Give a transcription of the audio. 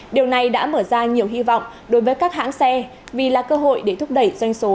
điều này đã mở ra nhiều hy vọng đối với các hãng xe vì là cơ hội để thúc đẩy doanh số